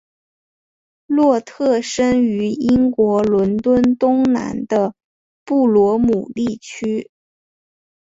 洛特生于英国伦敦东南的布罗姆利区。